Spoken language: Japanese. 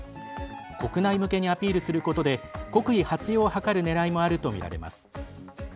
国内向けにアピールすることで国威発揚を図るねらいもあるとみられます。